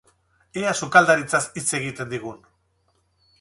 Ea sukaldaritzaz hitz egiten digun!